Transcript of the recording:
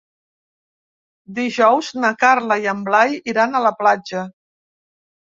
Dijous na Carla i en Blai iran a la platja.